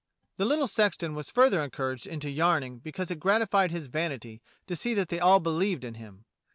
The little sexton was further encouraged into yarning because it gratified his vanity to see that they all believed in him.